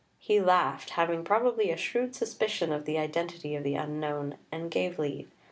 He laughed, having probably a shrewd suspicion of the identity of the unknown, and gave leave.